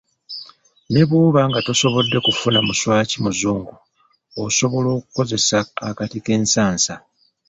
Ne bw'oba nga tosobodde kufuna muswaki muzungu, osobola okukozesa akati k'ensasa.